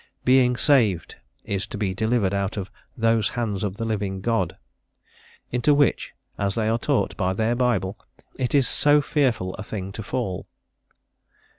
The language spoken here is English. "Being saved" is to be delivered out of "those hands of the living God," into which, as they are taught by their Bible, it is so fearful a thing to fall.